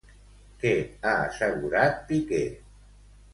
Què ha assegurat Piqué?